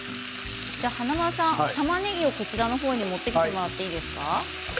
華丸さんたまねぎをこちらの方に持ってきていただいていいですか。